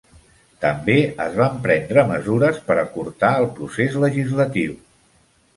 També es van prendre mesures per acurtar el procés legislatiu.